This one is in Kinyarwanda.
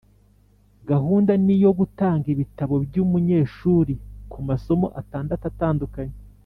gahunda ni iyo gutanga ibitabo by'umunyeshuri mu masomo atandatu atandukanye